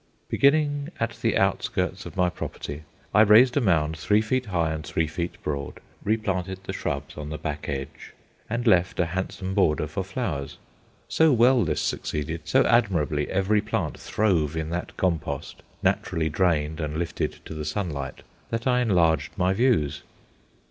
Beginning at the outskirts of my property, I raised a mound three feet high and three feet broad, replanted the shrubs on the back edge, and left a handsome border for flowers. So well this succeeded, so admirably every plant throve in that compost, naturally drained and lifted to the sunlight, that I enlarged my views.